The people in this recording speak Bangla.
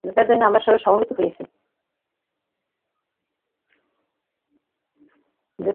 যেটার জন্য আমরা সবাই সমবেত হয়েছি।